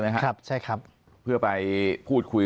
ปากกับภาคภูมิ